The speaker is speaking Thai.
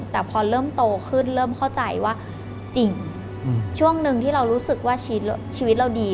แต่พอเริ่มโตขึ้นเริ่มเข้าใจว่าจริงช่วงหนึ่งที่เรารู้สึกว่าชีวิตเราดี